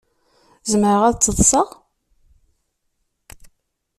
Zemreɣ ad tt-ḍseɣ?